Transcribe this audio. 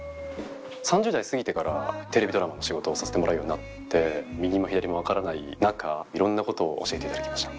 ３０代過ぎてからテレビドラマの仕事をさせてもらうようになって右も左も分からない中いろんなことを教えていただきました。